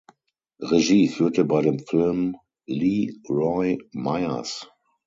Regie führte bei dem Film Lee Roy Myers.